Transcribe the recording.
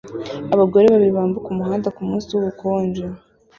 Abagore babiri bambuka umuhanda kumunsi wubukonje